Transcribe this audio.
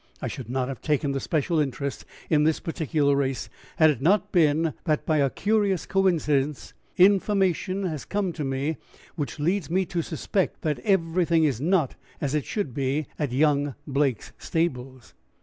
I should not have taken the special interest in this particular race had it not been that by a curious coincidence information has come to me which leads me to suspect that everything is not as it should be at young Blake's stables.